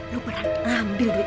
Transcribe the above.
lo berat ambil duit itu